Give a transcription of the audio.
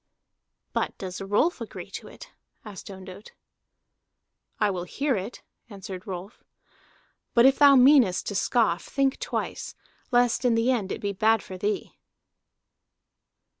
"But does Rolf agree to it?" asked Ondott. "I will hear it," answered Rolf. "But if thou meanest to scoff, think twice, lest in the end it be bad for thee."